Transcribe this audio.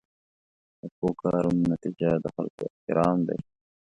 د ښو کارونو نتیجه د خلکو احترام دی.